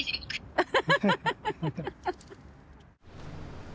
ハハハハ。